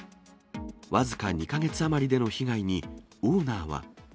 僅か２か月余りでの被害に、オーナーは。